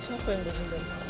siapa yang mulai dendam